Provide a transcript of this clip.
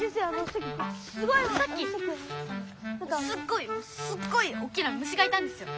さっきすっごいすっごいおっきな虫がいたんですよ。